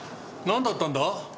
なんだったんだ？